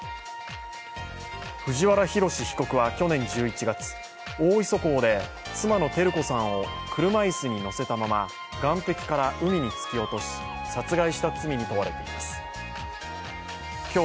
藤原宏被告は去年１１月大磯港で妻の照子さんを車椅子に乗せたまま岸壁から海に突き落とし殺害した罪に問われています。